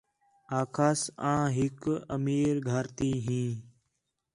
آکھاس آں ہِک امیر گھر تی ہی